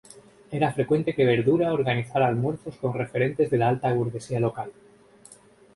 Era frecuente que Verdura organizara almuerzos con referentes de la alta burguesía local.